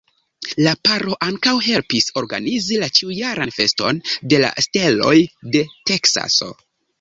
La paro ankaŭ helpis organizi la ĉiujaran Feston de la Steloj de Teksaso.